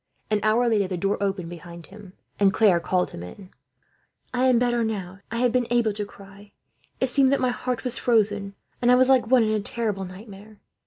An hour later the door opened behind him, and Claire called him in. "I am better now," she said, "I have been able to cry. It seemed that my heart was frozen, and I was like one in a terrible nightmare.